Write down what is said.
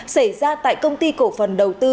xảy ra tại công ty cổ phần đầu tư